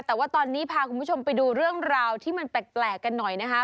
แต่ว่าตอนนี้พาคุณผู้ชมไปดูเรื่องราวที่มันแปลกกันหน่อยนะคะ